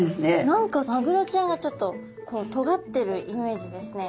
何かマグロちゃんはちょっとこうとがってるイメージですね。